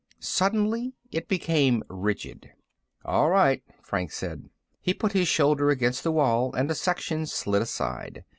Suddenly it became rigid. "All right," Franks said. He put his shoulder against the wall and a section slid aside.